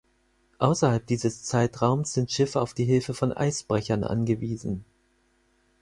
Außerhalb dieses Zeitraums sind Schiffe auf die Hilfe von Eisbrechern angewiesen.